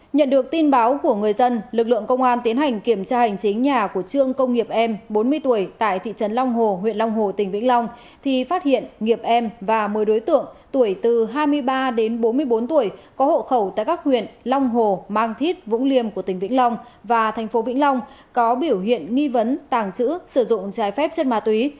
nhận được tin báo của người dân lực lượng công an tiến hành kiểm tra hành trí nhà của trương công nghiệp em bốn mươi tuổi tại thị trấn long hồ huyện long hồ tỉnh vĩnh long thì phát hiện nghiệp em và một mươi đối tượng tuổi từ hai mươi ba đến bốn mươi bốn tuổi có hộ khẩu tại các huyện long hồ mang thít vũng liêm của tỉnh vĩnh long và thành phố vĩnh long có biểu hiện nghi vấn tàng chữ sử dụng trái phép chất ma túy